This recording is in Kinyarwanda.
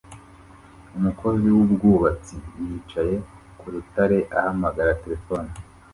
umukozi wubwubatsi yicaye ku rutare ahamagara terefone